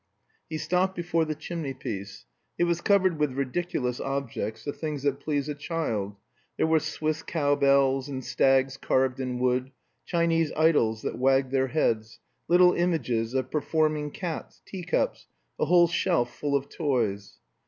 He stopped before the chimney piece; it was covered with ridiculous objects, the things that please a child: there were Swiss cow bells and stags carved in wood, Chinese idols that wagged their heads, little images of performing cats, teacups, a whole shelf full of toys.